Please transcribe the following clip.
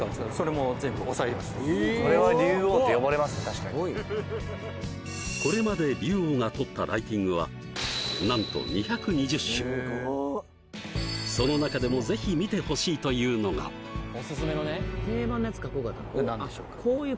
確かにこれまで竜王が撮ったライティングはなんと２２０種その中でもぜひ見てほしいというのがこれ何でしょうか？